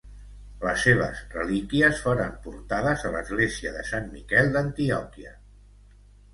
Les seves relíquies foren portades a l'església de Sant Miquel d'Antioquia.